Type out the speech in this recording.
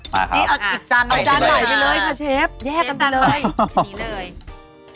เอาอีกจานใหนดีเลยครับเชฟ